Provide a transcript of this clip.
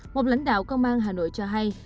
một lãnh đạo công an hà nội cho hay